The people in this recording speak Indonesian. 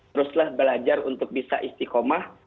teruslah belajar untuk bisa istiqomah